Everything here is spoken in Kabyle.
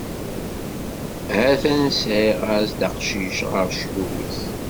Atan sɛiɣ-as-d aqcic, ɣer ccyub-is!